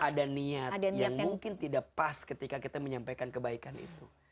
ada niat yang mungkin tidak pas ketika kita menyampaikan kebaikan itu